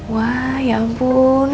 wah ya ampun